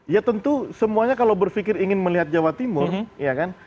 ya tentu semuanya kalau berpikir ingin melihat jawa timur